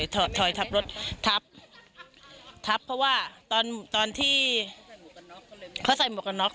ใช่ถอยทับรถทับเพราะว่าตอนที่เขาใส่หมวกกับน็อค